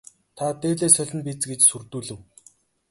Та дээлээ солино биз гэж сүрдүүлэв.